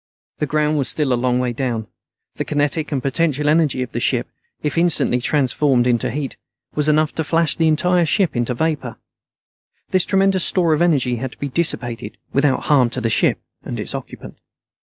The ground was still a long way down. The kinetic and potential energy of the ship, if instantly transformed into heat, was enough to flash the entire ship into vapor. This tremendous store of energy had to be dissipated without harm to the ship and its occupant.